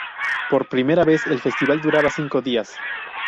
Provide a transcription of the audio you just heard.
Por primera vez el festival duraba cinco días.